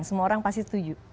semua orang pasti setuju